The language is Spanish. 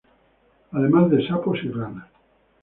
Además de sapos y ranas.